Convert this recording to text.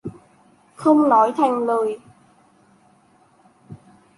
Không nói thành lời